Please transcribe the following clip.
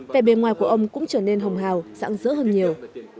vẻ bề ngoài của ông cũng trở nên hồng hào sẵn dỡ hơn nhiều